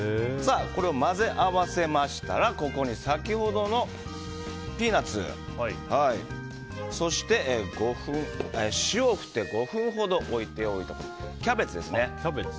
これを混ぜ合わせましたらここに先ほどのピーナツそして、塩を振って５分ほど置いておいたキャベツですね。